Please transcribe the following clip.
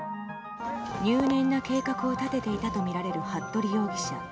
入念な計画を立てていたとみられる服部容疑者。